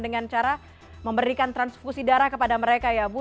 dengan cara memberikan transfusi darah kepada mereka ya bu